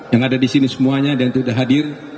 yang ada di sini semuanya dan tidak hadir